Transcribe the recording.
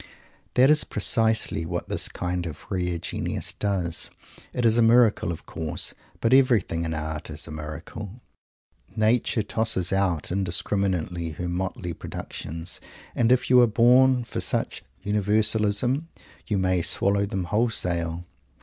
That is precisely what this kind of rare genius does. It is a miracle, of course, but everything in art is a miracle. Nature tosses out indiscriminately her motley productions, and if you are born for such "universalism," you may swallow them wholesale.